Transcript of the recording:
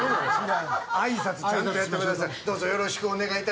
挨拶ちゃんとやってください。